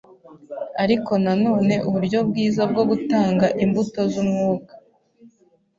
ariko na none uburyo bwiza bwo gutanga imbuto z'Umwuka.